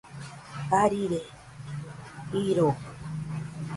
Jarire jiro.